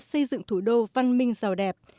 xây dựng thủ đô văn minh giàu đẹp